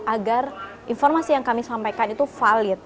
agar informasi yang kami sampaikan itu valid